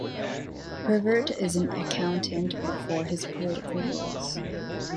Privert is an accountant before his political roles.